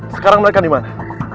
sekarang mereka dimana